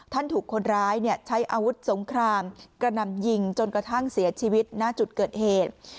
ถูกคนร้ายใช้อาวุธสงครามกระหน่ำยิงจนกระทั่งเสียชีวิตณจุดเกิดเหตุ